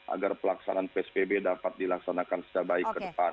agar pelaksanaan psbb dapat dilaksanakan secara baik ke depan